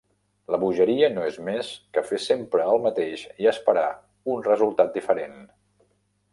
La bogeria no és més que fer sempre el mateix i esperar un resultat diferent.